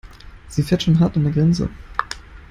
Sie fährt schon hart an der Grenze.